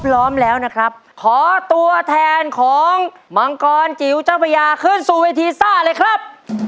พร้อมแล้วนะครับขอตัวแทนของมังกรจิ๋วเจ้าพระยาขึ้นสู่เวทีซ่าเลยครับ